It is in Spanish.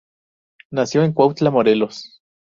Nació en Cuautla, Morelos.